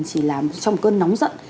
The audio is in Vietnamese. chỉ làm trong cơn nóng giận